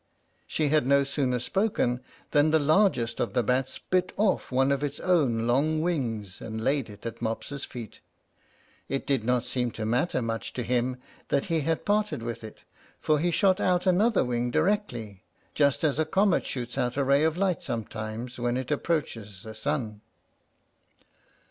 She had no sooner spoken than the largest of the bats bit off one of his own long wings, and laid it at Mopsa's feet. It did not seem to matter much to him that he had parted with it, for he shot out another wing directly, just as a comet shoots out a ray of light sometimes, when it approaches the sun.